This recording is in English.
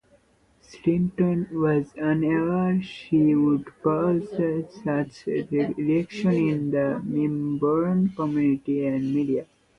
Shrimpton was unaware she would cause such reaction in the Melbourne community and media.